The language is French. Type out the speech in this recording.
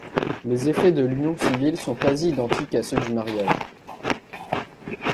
Les effets de l'union civile sont quasi-identiques à ceux du mariage.